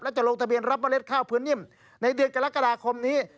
จะลงทะเบียนรับเล็ดข้าวพื้นนิ่มในเดือนกรกฎาคมนี้